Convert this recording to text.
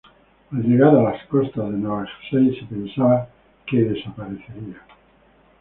Al llegar a las costas de Nueva Jersey se pensaba que desaparecería.